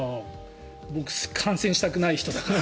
僕、感染したくない人だから。